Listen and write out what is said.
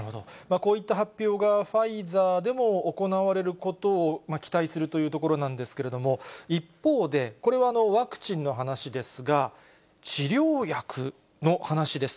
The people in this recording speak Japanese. こういった発表が、ファイザーでも行われることを期待するというところなんですけれども、一方で、これはワクチンの話ですが、治療薬の話です。